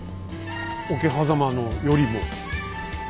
桶狭間のよりも？